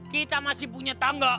kita masih punya tangga